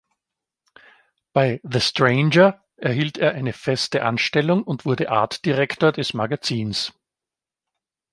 Bei "The Stranger" erhielt er eine feste Anstellung und wurde Art Director des Magazins.